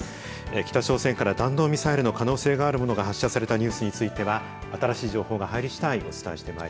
北朝鮮から弾道ミサイルの可能性があるものが発射されたニュースについては新しい情報が入りしだい